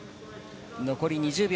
残り２０秒。